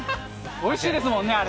おいしいですもんね、あれ。